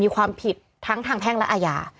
มีความผิดทั้งทางแพ่งและอาญา